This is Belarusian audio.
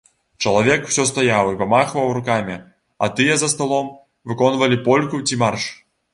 Чалавек усё стаяў і памахваў рукамі, а тыя за сталом выконвалі польку ці марш.